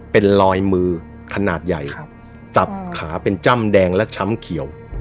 เป็นรอยมือขนาดใหญ่ตับขาเป็นจ้ำแดงและช้ำเขียว